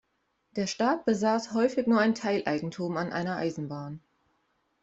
Der Staat besaß häufig nur ein Teileigentum an einer Eisenbahn.